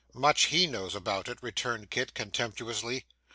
'Much he knows about it,' returned Kit contemptuously.